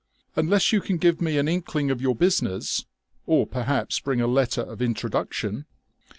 "Unless you can give me an inkling of your business or perhaps bring a letter of introduction."